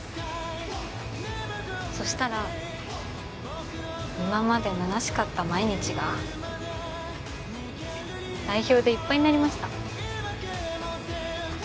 そしたら今までむなしかった毎日が代表でいっぱいになりました。